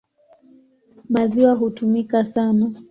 Maziwa hutumika sana.